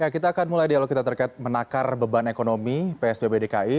kita akan mulai dialog kita terkait menakar beban ekonomi psbb dki